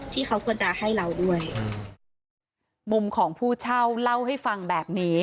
ที่เขาควรจะให้เราด้วยมุมของผู้เช่าเล่าให้ฟังแบบนี้